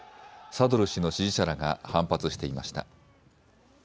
サドル師の支持者らが反発していました。